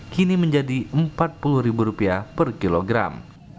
kini menjadi rp empat puluh per kilogram